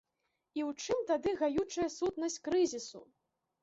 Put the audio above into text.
І ў чым тады гаючая сутнасць крызісу?